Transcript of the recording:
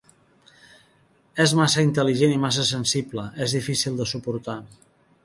És massa intel·ligent i massa sensible; és difícil de suportar.